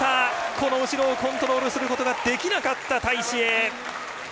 この後ろをコントロールすることができなかったタイ・シエイ。